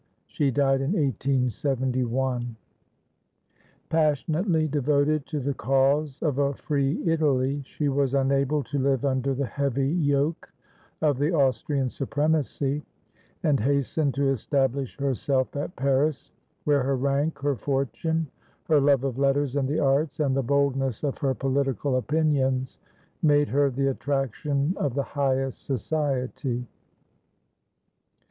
She died in 1871. Passionately devoted to the cause of a "free Italy," she was unable to live under the heavy yoke of the Austrian supremacy, and hastened to establish herself at Paris, where her rank, her fortune, her love of letters and the arts, and the boldness of her political opinions, made her the attraction of the highest society.